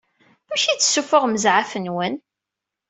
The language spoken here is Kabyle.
Amek i d-ssufuɣem zɛaf-nwen?